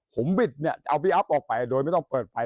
ผมบิดเนี่ยจะเอาพี่อัพออกไปโดยไม่ต้องเปิดไฟ